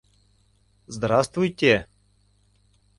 Здравствуйте...